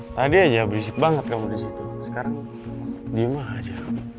tadi aja berisik banget kamu di situ sekarang gimana aja